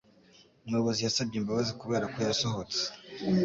Umuyobozi yasabye imbabazi kuberako yasohotse.